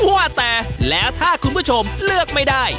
ว่าแต่แล้วถ้าคุณผู้ชมเลือกไม่ได้